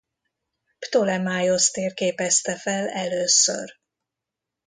Ptolemaiosz térképezte fel először.